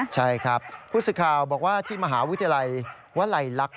ใช่ครับผู้สื่อข่าวบอกว่าที่มหาวิทยาลัยวลัยลักษณ์